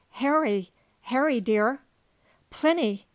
"Harry! Harry dear!" "Plinny!"